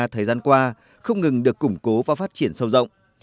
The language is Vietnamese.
thời gian qua không ngừng được củng cố và phát triển sâu rộng